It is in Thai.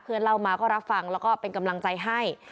เล่ามาก็รับฟังแล้วก็เป็นกำลังใจให้